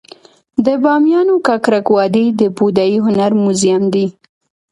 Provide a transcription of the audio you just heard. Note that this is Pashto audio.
د بامیانو ککرک وادي د بودايي هنر موزیم دی